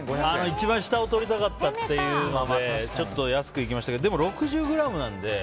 一番下を取りたかったっていうのでちょっと安くいきましたけどでも６０ｇなので。